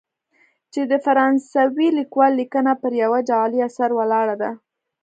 چې د فرانسوي لیکوال لیکنه پر یوه جعلي اثر ولاړه ده.